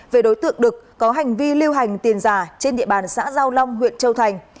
về đối tượng đực có hành vi lưu hành tiền giả trên địa bàn xã giao long huyện châu thành